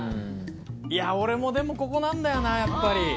いや俺もでもここなんだよなやっぱり。